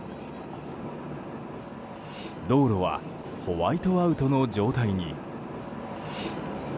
道路はホワイトアウトの状態に。